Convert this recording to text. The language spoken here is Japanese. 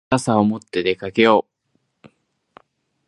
傘を持って出かけよう。